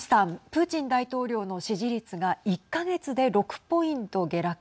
プーチン大統領の支持率が１か月で６ポイント下落。